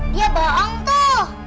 dia bohong tuh